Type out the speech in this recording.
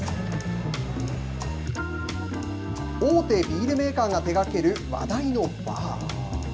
大手ビールメーカーが手がける話題のバー。